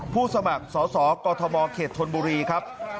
ผู้สมัครสอสอกอทมเขตธนบุรีครับ